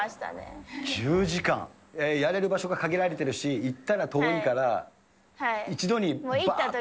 やれる場所が限られてるし、行ったら遠いから、一度にばーっと？